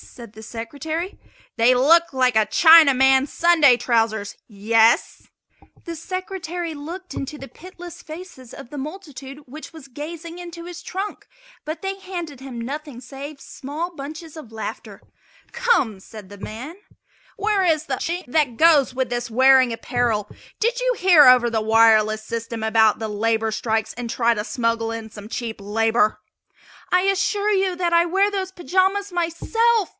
said the Secretary. "They look like a Chinaman's Sunday trousers yes?" The Secretary looked into the pitiless faces of the multitude which was gazing into his trunk, but they handed him nothing save small bunches of laughter. "Come!" said the man, "where is the Chink that goes with this wearing apparel? Did you hear over the wireless system about the labor strikes and try to smuggle in some cheap labor?" "I assure you that I wear those pajamas myself!"